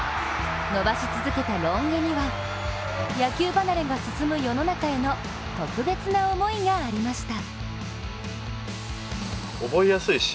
伸ばし続けたロン毛には野球離れが進む世の中への特別な思いがありました。